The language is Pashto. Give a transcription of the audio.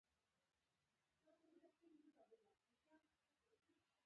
حمزه بابا را له ښودانې کړی دي، خاطر مونږ دلته اورېدی.